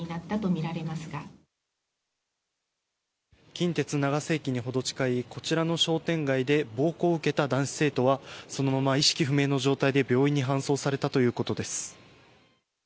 近鉄長瀬駅に程近いこちらの商店街で暴行を受けた男子生徒はそのまま意識不明の状態で病院に搬送されたということです。